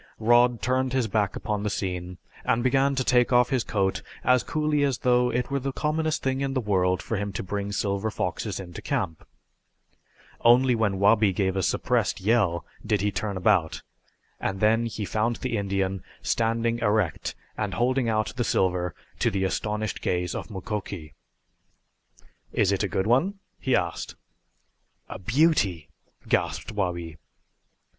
Rod turned his back upon the scene and began to take off his coat as coolly as though it were the commonest thing in the world for him to bring silver foxes into camp. Only when Wabi gave a suppressed yell did he turn about, and then he found the Indian standing erect and holding out the silver to the astonished gaze of Mukoki. "Is it a good one?" he asked. "A beauty!" gasped Wabi.